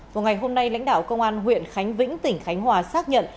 vào ngày hôm nay lãnh đạo công an huyện khánh vĩnh tỉnh khánh hòa xác nhận